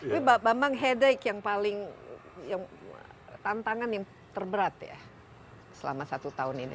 tapi bambang headache yang paling yang tantangan yang terberat ya selama satu tahun ini